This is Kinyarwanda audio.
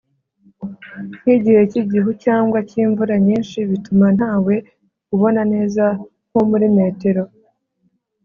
Nk igihe cy igihu cyangwa cy imvura nyinshi bituma ntawe ubona neza nko muri metero